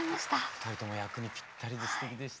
２人とも役にぴったりですてきでした。